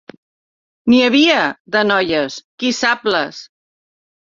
N'hi havia, de noies, qui-sap-les!